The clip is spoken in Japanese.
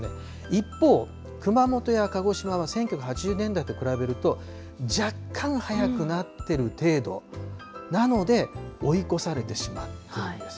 一方、熊本や鹿児島は、１９８０年代と比べると、若干早くなってる程度なので、追い越されてしまっているんです。